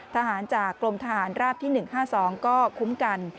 ทหารจากกรมทหารราบที่๑๕๒ก็คุ้มกัน